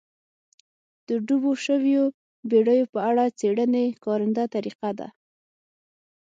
د ډوبو شویو بېړیو په اړه څېړنې کارنده طریقه ده.